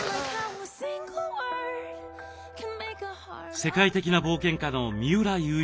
世界的な冒険家の三浦雄一郎さん。